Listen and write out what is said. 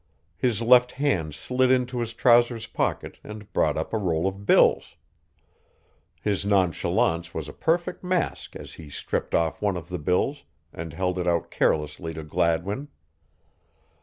His left hand slid into his trousers pocket and brought up a roll of bills. His nonchalance was a perfect mask as he stripped off one of the bills and held it out carelessly to Gladwin.